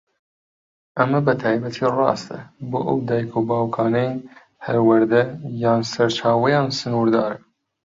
ئەمە بەتایبەتی ڕاستە بۆ ئەو دایک و باوکانەی پەروەردە یان سەرچاوەیان سنوردارە.